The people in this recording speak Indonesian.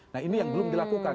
nah ini yang belum dilakukan